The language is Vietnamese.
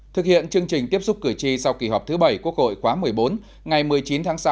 thực hiện chương trình tiếp xúc cử tri sau kỳ họp thứ bảy quốc hội khóa một mươi bốn ngày một mươi chín tháng sáu